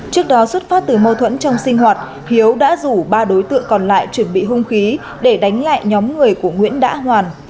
trước đó xuất phát từ mâu thuẫn trong sinh hoạt hiếu đã rủ ba đối tượng còn lại chuẩn bị hung khí để đánh lại nhóm người của nguyễn đã hoàn